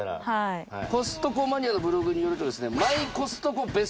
コストコマニアのブログによるとですね。